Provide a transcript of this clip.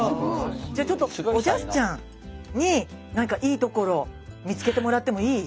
じゃあちょっとおじゃすちゃんになんかいいところ見つけてもらってもいい？